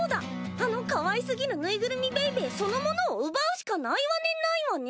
あのかわいすぎるぬいぐるみベイベーそのものを奪うしかないわねないわね。